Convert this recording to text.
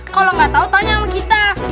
kalo gak tau tanya sama kita